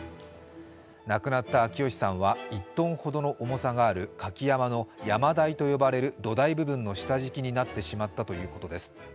亡くなった秋吉さんは１ｔほどの重さがある舁き山笠の山笠台と呼ばれる土台部分の下敷きになってしまったということです。